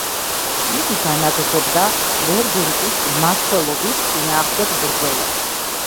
იგი განაგრძობდა დერბენტის მმართველების წინააღმდეგ ბრძოლას.